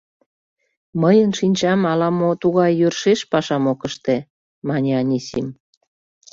— Мыйын шинчам ала-мо тугай йӧршеш пашам ок ыште, — мане Анисим.